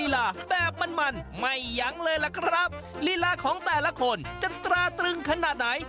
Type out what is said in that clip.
ลีลาของแต่ละคนจะตราตรึงขนาดไหน